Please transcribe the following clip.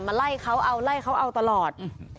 ไล่เขาเอาไล่เขาเอาตลอด